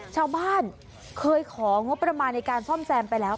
ชาวบ้านเคยของงบประมาณในการซ่อมแซมไปแล้ว